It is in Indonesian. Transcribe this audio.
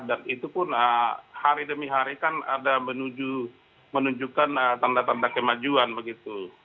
dan itu pun hari demi hari kan ada menunjukkan tanda tanda kemajuan begitu